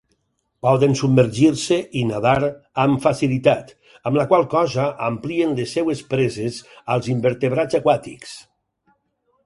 Poden submergir-se i nedar amb facilitat, amb la qual cosa amplien les seves preses als invertebrats aquàtics.